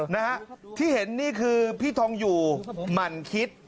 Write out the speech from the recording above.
นะฮะที่เห็นนี่คือพี่ทองอยู่หมั่นคิด